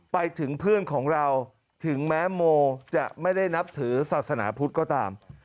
ไปถึงเพื่อนของเราถึงแม้โมจะไม่ได้นับถือศาสนาพุทธก็ตาม